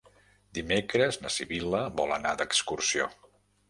Dimecres na Sibil·la vol anar d'excursió.